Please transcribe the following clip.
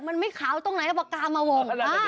มันไม่ขาวตรงไหนเอาปากกามาวง